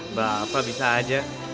mbak apa bisa aja